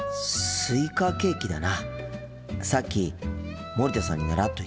スイカケーキです。